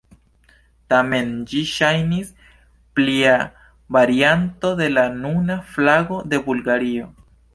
Tamen, ĝi ŝajnis plia varianto de la nuna flago de Bulgario.